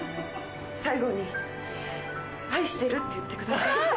最後に「愛してる」って言ってください。